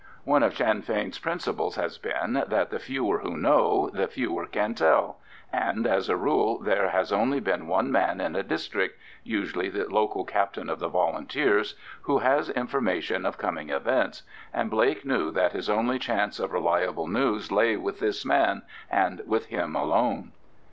One of Sinn Fein's principles has been that the fewer who know the fewer can tell, and, as a rule, there has only been one man in a district—usually the local captain of the Volunteers—who has information of coming events; and Blake knew that his only chance of reliable news lay with this man, and with him alone.